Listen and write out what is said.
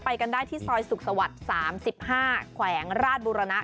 กันได้ที่ซอยสุขสวรรค์๓๕แขวงราชบุรณะ